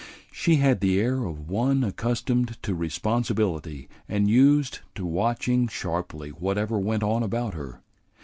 She had the air of one accustomed to responsibility and used to watching sharply whatever went on about her.